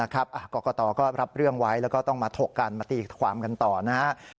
กรกตก็รับเรื่องไว้แล้วก็ต้องมาถกกันมาตีความกันต่อนะครับ